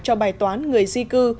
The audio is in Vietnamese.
cho bài toán người di cư